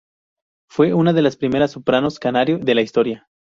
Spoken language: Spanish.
Fue una de las primeras sopranos "canario" de la historia.